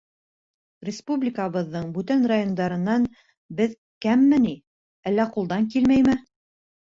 Республикабыҙҙың бүтән райондарынан беҙ кәмме ни, әллә ҡулдан килмәйме?